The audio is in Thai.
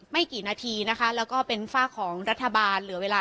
ไม่กี่นาทีนะคะแล้วก็เป็นฝากของรัฐบาลเหลือเวลา